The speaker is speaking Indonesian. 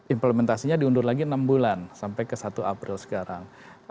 implementasinya diundur lagi enam bulan sampai ke satu april sekarang